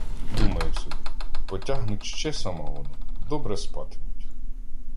Думаю собі: потягнуть ще самогону — добре спатимуть.